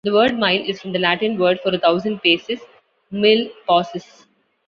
The word mile is from the Latin word for a thousand paces: mille passus.